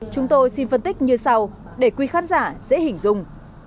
chúng tôi xin phân tích như sau để quý khán giả dễ hình dung